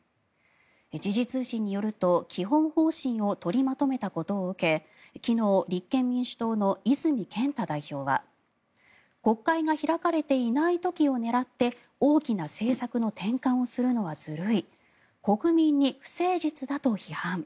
時事通信によると、基本方針を取りまとめたことを受けて昨日、立憲民主党の泉健太代表は国会が開かれていない時を狙って大きな政策の転換をするのはずるい国民に不誠実だと批判。